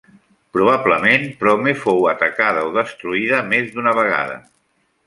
Probablement Prome fou atacada o destruïda més d'una vegada.